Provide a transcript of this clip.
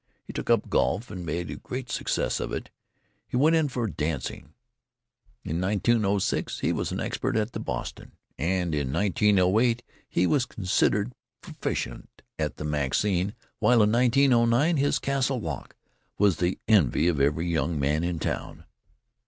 He took up golf and made a great success of it. He went in for dancing: in 1906 he was an expert at "The Boston," and in 1908 he was considered proficient at the "Maxine," while in 1909 his "Castle Walk" was the envy of every young man in town.